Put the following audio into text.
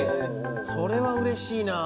それはうれしいな。